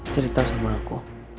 cerita sama aku